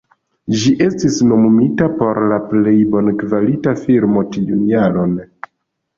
Ĝi estis nomumita por la Plej Bonkvalita Filmo tiun jaron.